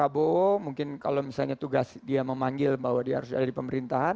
pak prabowo mungkin kalau misalnya tugas dia memanggil bahwa dia harus ada di pemerintahan